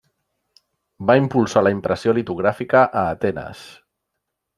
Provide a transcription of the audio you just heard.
Va impulsar la impressió litogràfica a Atenes.